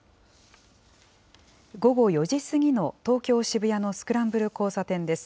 午後４時過ぎの東京・渋谷のスクランブル交差点です。